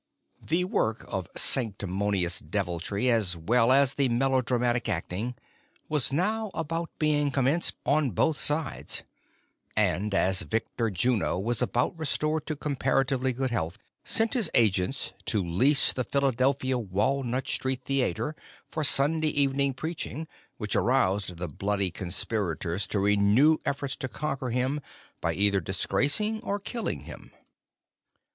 |HE work of sanctimonious deviltry, as well as the melo dramatic acting, was now about being commenced on both sides ; and as Victor Juno was about restored to comparative good health, sent his agents to lease the Philadelphia "Walnut Street Theatre for Sunday evening preaching, which aroused the bloody conspirators to I'enewed efforts to conquer him, by either disgracing or killing him.